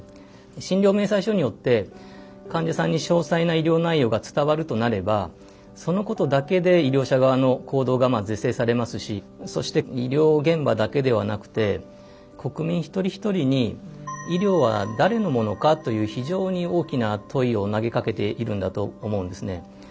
診療明細書によって患者さんに詳細な医療内容が伝わるとなればそのことだけで医療者側の行動がまあ是正されますしそして医療現場だけではなくて国民一人一人に「医療は誰のものか？」という非常に大きな問いを投げかけているんだと思うんですね。